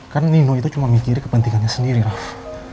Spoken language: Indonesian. kan nino itu cuma mikirin kepentingannya sendiri raff